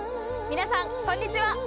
皆さん、こんにちは。